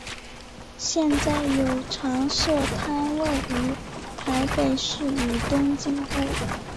现在有常设摊位于台北市与东京都。